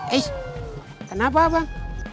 eh kenapa abang